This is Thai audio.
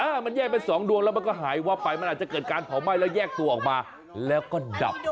มันแยกเป็นสองดวงแล้วมันก็หายวับไปมันอาจจะเกิดการเผาไหม้แล้วแยกตัวออกมาแล้วก็ดับ